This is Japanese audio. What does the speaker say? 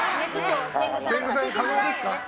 天狗さん、可能ですか？